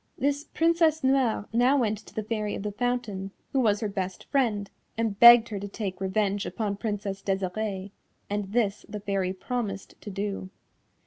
This Princess Noire now went to the Fairy of the Fountain, who was her best friend, and begged her to take revenge upon Princess Desirée, and this the Fairy promised to do.